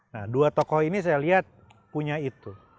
nah dua tokoh ini saya lihat punya itu